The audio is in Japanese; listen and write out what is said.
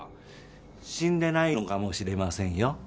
死んでないのかもしれませんよ。